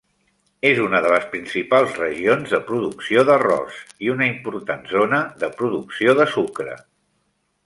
És una de les principals regions de producció d'arròs i una important zona de producció de sucre.